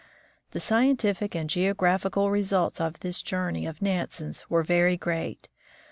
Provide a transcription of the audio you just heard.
The scientific and geographical results of this journey of Nansen's were very great.